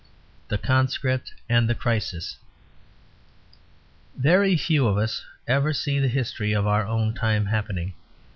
THE CONSCRIPT AND THE CRISIS Very few of us ever see the history of our own time happening.